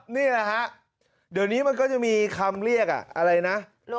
เดี๋ยวนี้มันก็จะมีคำเรียกอะไรนะ